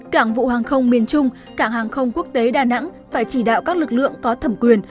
cảng vụ hàng không miền trung cảng hàng không quốc tế đà nẵng phải chỉ đạo các lực lượng có thẩm quyền